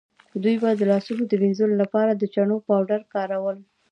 دوی به د لاسونو د وینځلو لپاره د چنو پاوډر کارول.